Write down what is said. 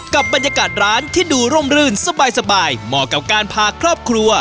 กับบรรยากาศร้านที่ดูร่มรื่นสบายเหมาะกับการพาครอบครัว